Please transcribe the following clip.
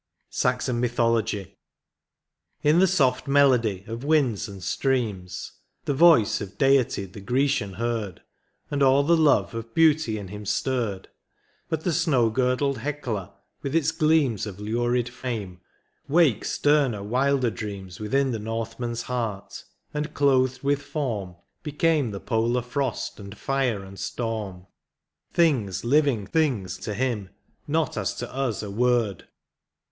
21 SAXON MYTHOLOGY. In the soft melody of winds and streams Tlie voice of Deity the Grecian heard. And all the love of beauty in him stirred ; But the snow girdled Hecla, with its gleams Of lurid flame, wake sterner, wilder dreams Within the Northman's heart, and, clothed with form, Became the polar frost, and fire, and storm. Things, living things to him,«not as to us a word.